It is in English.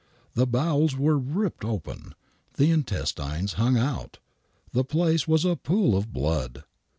The bowels were ripped open. The intestines hung out. The place was a pool of blood.